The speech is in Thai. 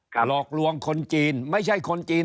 หลอกลวงคนจีนไม่ใช่คนจีน